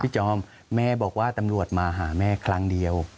จอมแม่บอกว่าตำรวจมาหาแม่ครั้งเดียว